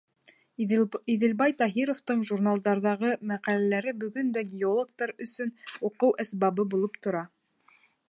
Иҙелбай Таһировтың журналдарҙағы мәҡәләләре бөгөн дә геологтар өсөн уҡыу әсбабы булып тора.